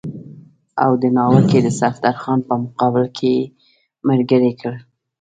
او د ناوګۍ د صفدرخان په مقابل کې یې ملګری کړ.